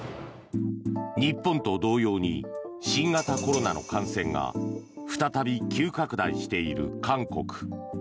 日本と同様に新型コロナの感染が再び急拡大している韓国。